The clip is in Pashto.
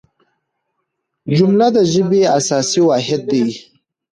جمله د ژبي اساسي واحد دئ.